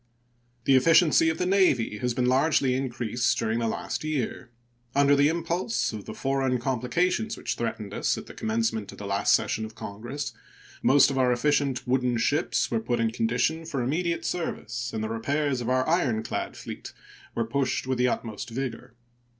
The efficiency of the Navy has been largely increased during the last year. Under the impulse of the foreign complications which threatened us at the commencement of the last session of Congress, most of our efficient wooden ships were put in condition for immediate service, and the repairs of our ironclad fleet were pushed with the utmost vigor.